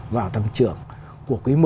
vào tầm trưởng của quý một